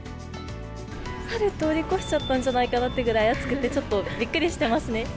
春通り越しちゃったんじゃないかなっていうぐらい、暑くて、ちょっとびっくりしてますね。